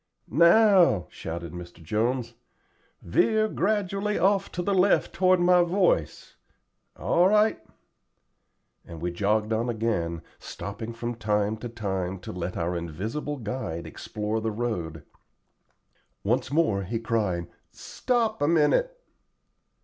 "Now," shouted Mr. Jones, "veer gradually off to the left toward my voice all right;" and we jogged on again, stopping from time to time to let our invisible guide explore the road. Once more he cried, "Stop a minute."